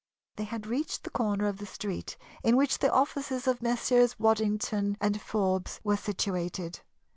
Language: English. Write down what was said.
They had reached the corner of the street in which the offices of Messrs. Waddington & Forbes were situated.